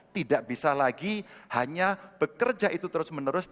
tidak bisa lagi hanya bekerja itu terus menerus